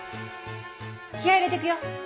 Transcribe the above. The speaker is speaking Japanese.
気合入れてくよ！